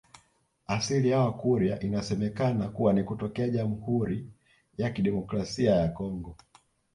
Asili ya Wakurya inasemekana kuwa ni kutokea Jamhuri ya Kidemokrasia ya Kongo